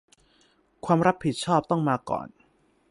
ความรับผิดชอบต้องมาก่อน